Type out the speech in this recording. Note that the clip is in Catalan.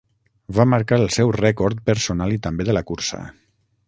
Va marcar el seu rècord personal i també de la cursa.